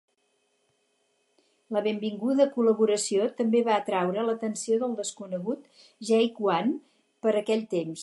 La benvinguda col·laboració també va atraure l"atenció del desconegut Jake One per aquell temps.